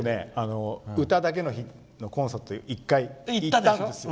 歌だけの日のコンサート１回、行ったんですよ。